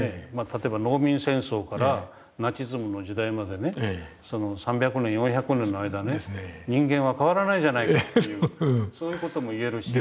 例えば農民戦争からナチズムの時代までねその３００年４００年の間ね人間は変わらないじゃないかというそういう事も言えるし。